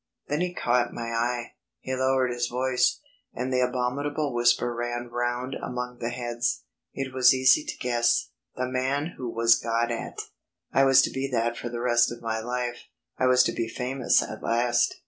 Then he caught my eye. He lowered his voice, and the abominable whisper ran round among the heads. It was easy to guess: "the man who was got at." I was to be that for the rest of my life. I was to be famous at last.